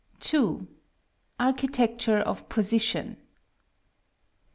2. Architecture of Position.